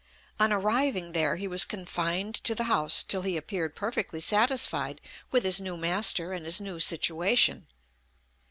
On arriving there, he was confined to the house till he appeared perfectly satisfied with his new master and his new situation.